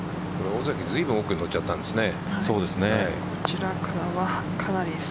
尾関ずいぶん奥に取っちゃったんですね。